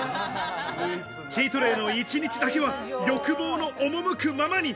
チートデイの一日だけは欲望の赴くままに。